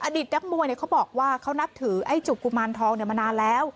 นักมวยเขาบอกว่าเขานับถือไอ้จุกกุมารทองมานานแล้ว